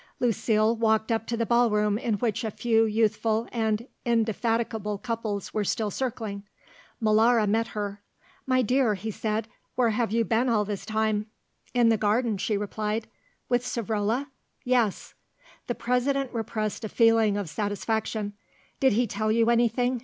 Lucile walked up to the ball room in which a few youthful and indefatigable couples were still circling. Molara met her. "My dear," he said, "where have you been all this time?" "In the garden," she replied. "With Savrola?" "Yes." The President repressed a feeling of satisfaction. "Did he tell you anything?"